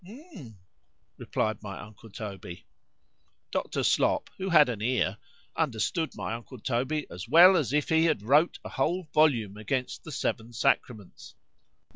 ——Humph! replied my uncle Toby. Dr. Slop, who had an ear, understood my uncle Toby as well as if he had wrote a whole volume against the seven sacraments.